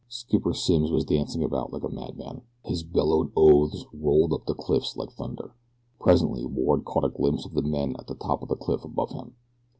Skipper Simms was dancing about like a madman. His bellowed oaths rolled up the cliffs like thunder. Presently Ward caught a glimpse of the men at the top of the cliff above him.